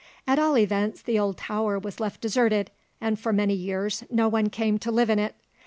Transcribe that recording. At all events, the old tower was left deserted, and for many years no one came to live in it.